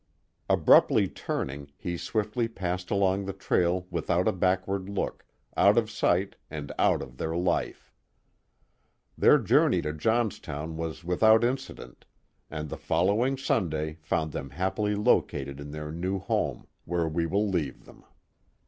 Abruptly turning, he swiftly passed along the trail without a backward look, out of sight and out of their life. Their journey to Johnstown was without incident, and the 17 =5S The Mohawk Valley following Sunday found them happily located in their new home, where we will leave them.